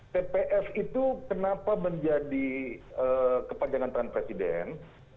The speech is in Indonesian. tpf itu kenapa menjadi kepanjangan transpresiden